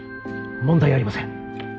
問題ありません。